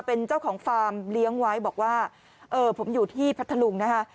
เป็นเจ้าของฟาร์มเลี้ยงไว้บอกว่าเออผมอยู่ที่พัทธลุงนะคะ